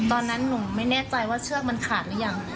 ตอนนั้นหนูไม่แน่ใจว่าเชือกมันขาดหรือยัง